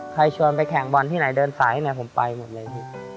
ใครชวนไปแข่งบอลที่ไหนเดินสายให้ไหนผมไปหมดเลย